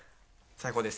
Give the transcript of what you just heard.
最高です。